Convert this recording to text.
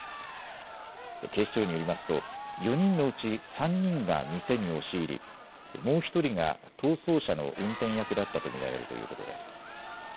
警視庁によりますと４人のうち３人が店に押し入り、もう１人が逃走車の運転役だったと見られるということです。